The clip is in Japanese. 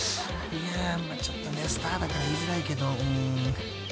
［まあちょっとねスターだから言いづらいけどうーん］